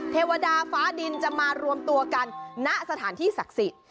เทวดาฟ้าดินจะมารวมตัวกันณสถานที่ศักดิ์สิทธิ์